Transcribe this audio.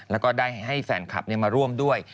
แล้วก็ได้ให้แฟนคลับมาร่วมด้วย